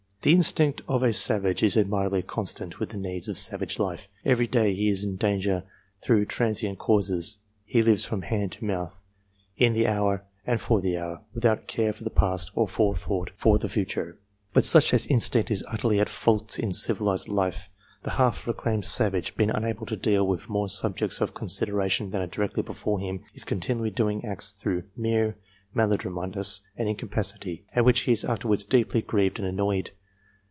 The instinct of a savage is admirably consonant with the needs of savage life ; every day he is in danger through transient causes ; he lives from hand to mouth, in the hour and for the hour, without care for the past or forethought for the future : but such an instinct is utterly at fault in civilized life. The half reclaimed savage, being unable to deal with more subjects of consideration than are directly before him, is continually doing acts through mere mal adroitness and incapacity, at which he is afterwards deeply grieved and annoyed.